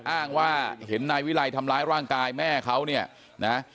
อ้างว่าเห็นนายวิรัยทำร้ายร่างกายแม่เขาเนี่ยนะ